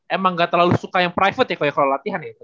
emang gak terlalu suka yang private ya kalau latihan ya